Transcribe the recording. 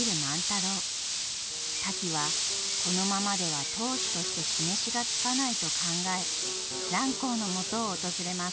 タキはこのままでは当主として示しがつかないと考え蘭光のもとを訪れます。